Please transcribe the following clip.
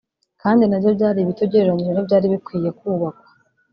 kandi nabyo byari bito ugereranije n’ibyari bikwiye kubakwa